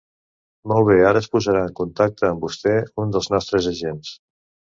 Molt bé, ara es posarà en contacte amb vostè un dels nostres agents.